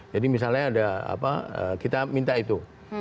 jadi misalnya ada apa kita minta itu